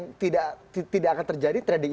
yang tidak tidak akan terjadi trading